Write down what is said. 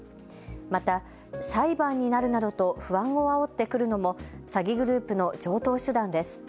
また裁判になるなどと不安をあおってくるのも詐欺グループの常とう手段です。